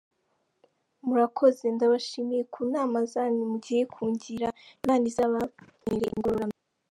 Murakoze ndabashimiye ku nama zanyu mugiye kungira Imana izabampere ingororano.